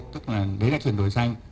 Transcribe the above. tức là đấy là chuyển đổi xanh